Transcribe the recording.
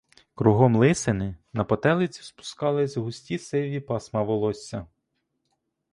Кругом лисини на потилицю спускались густі сиві пасма волосся.